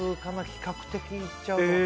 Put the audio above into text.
比較的いっちゃうと。